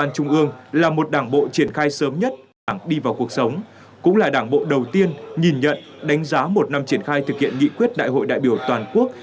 cũng là đảng bộ đầu tiên nhìn nhận đánh giá một năm triển khai thực hiện nghị quyết đại hội đại biểu toàn quốc